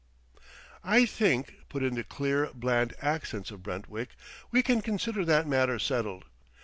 "I think," put in the clear, bland accents of Brentwick, "we can consider that matter settled.